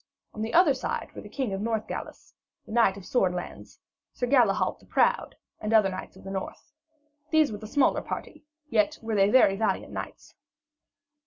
On the other side were the King of Northgales, the King of Swordlands, Sir Galahalt the Proud, and other knights of the north. These were the smaller party, yet were they very valiant knights.